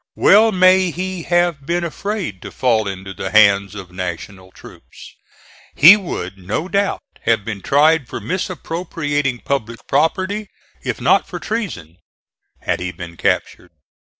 Well may he have been afraid to fall into the hands of National troops. He would no doubt have been tried for misappropriating public property, if not for treason, had he been captured.